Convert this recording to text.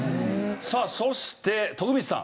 さあそして徳光さん。